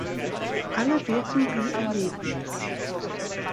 Alle wirken wie Erlebnis.